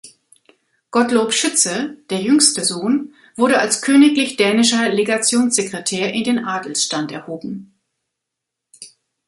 Gottlob Schütze, der jüngste Sohn, wurde als königlich-dänischer Legationssekretär in den Adelstand erhoben.